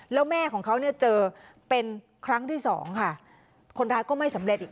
แล้วแม่ของเขาเนี่ยเจอเป็นครั้งที่สองค่ะคนร้ายก็ไม่สำเร็จอีก